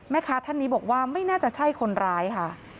ท่านนี้บอกว่าไม่น่าจะใช่คนร้ายค่ะ